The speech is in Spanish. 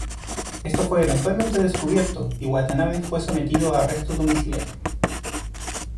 Esto fue eventualmente descubierto y Watanabe fue sometido a arresto domiciliario.